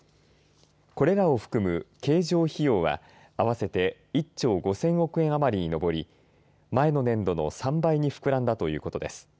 これらを含む経常費用は合わせて１兆５０００億円余りに上り前の年度の３倍に膨らんだということです。